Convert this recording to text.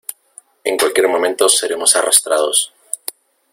en cualquier momento seremos arrastrados.